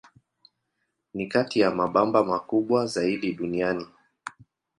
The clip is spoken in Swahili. Ni kati ya mabamba makubwa zaidi duniani.